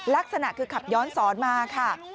ลักษณะคือขับย้อนสอนมาค่ะ